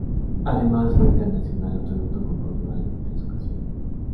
Además fue internacional absoluto con Portugal en tres ocasiones.